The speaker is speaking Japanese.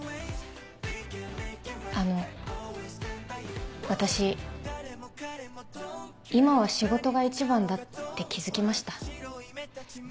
あの私今は仕事が一番だって気付きました。